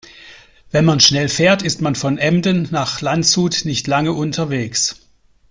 Wenn man schnell fährt, ist man von Emden nach Landshut nicht lange unterwegs